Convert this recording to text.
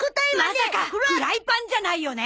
まさかフライパンじゃないよね？